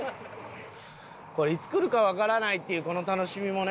これいつ来るかわからないっていうこの楽しみもね。